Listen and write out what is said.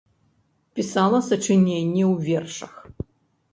Пісала сачыненні ў вершах.